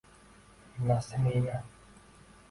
Nasimiyni